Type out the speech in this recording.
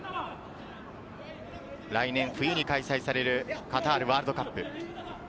来年冬に開催されるカタールワールドカップ。